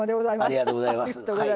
ありがとうございます。